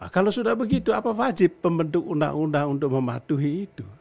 kalau sudah begitu apa wajib pembentuk undang undang untuk mematuhi itu